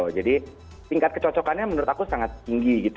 jadi tingkat kecocokannya menurut aku sangat tinggi